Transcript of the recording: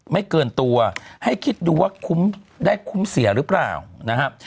ไม่เกินตัวให้คิดดูว่าคุ้มได้คุ้มเสียหรือเปล่านะครับ